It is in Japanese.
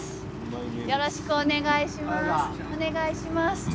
よろしくお願いします。